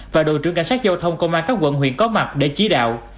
và đội trưởng cảnh sát giao thông công an các quận huyện có mặt để chỉ đạo